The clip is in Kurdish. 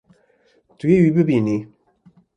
Tu yê wî bibînî.